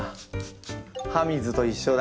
葉水と一緒だ。